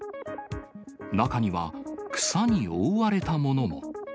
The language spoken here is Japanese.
中には草に覆われたものも。